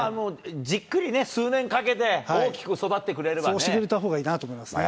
じっくりね、数年かけて、大きくそうしてくれたほうがいいなと思いますね。